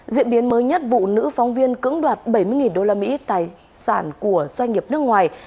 diễn biến mới nhất vụ nữ phóng viên cứng đoạt bảy mươi đô la mỹ tài sản của doanh nghiệp nước ngoài